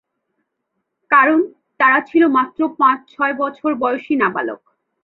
কারণ, তারা ছিল মাত্র পাঁচ-ছয় বছর বয়সী নাবালক।